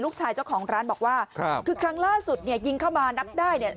เจ้าของร้านบอกว่าครับคือครั้งล่าสุดเนี่ยยิงเข้ามานับได้เนี่ย